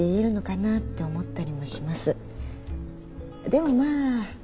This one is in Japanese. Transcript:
でもまあ。